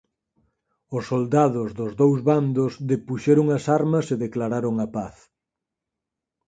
Os soldados dos dous bandos depuxeron as armas e declararon a paz.